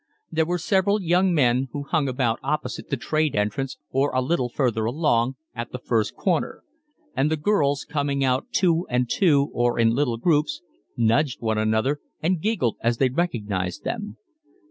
There were several young men, who hung about opposite the 'trade entrance' or a little further along, at the first corner; and the girls, coming out two and two or in little groups, nudged one another and giggled as they recognised them.